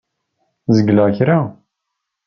Zegleɣ kra?